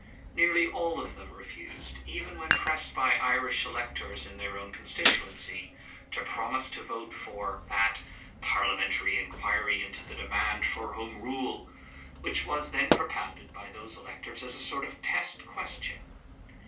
Nearly all of them refused, even when pressed by Irish electors in their constituencies, to promise to vote for that "parliamentary inquiry into the demand for Home Rule," which was then propounded by those electors as a sort of test question.